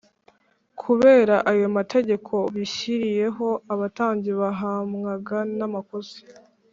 kubera ayo mategeko bishyiriyeho, abatambyi bahamwaga n’amakosa